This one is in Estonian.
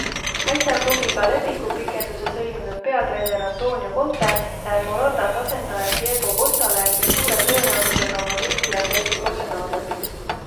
Äsja klubiga lepingupikenduse sõlminud peatreener Antonio Conte näeb Moratas asendajat Diego Costale, kes suure tõenäosusega Madridi Atleticosse naaseb.